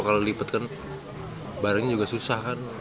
kalau dipetkan barangnya juga susah kan